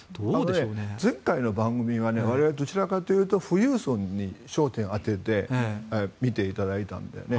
前回の番組はどちらかというと富裕層に焦点を当てて見ていただいたんだよね。